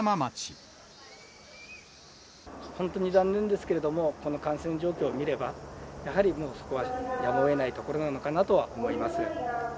本当に残念ですけれども、この感染状況を見れば、やはりもうそこはやむをえないところなのかなとは思います。